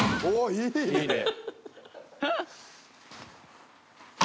いいね。